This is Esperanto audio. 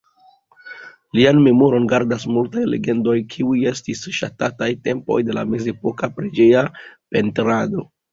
Lian memoron gardas multaj legendoj, kiuj estis ŝatataj tempoj de la mezepoka preĝeja pentrado.